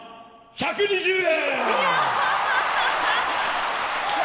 １２０円？